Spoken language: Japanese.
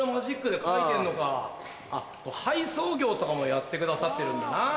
配送業とかもやってくださってるんだな。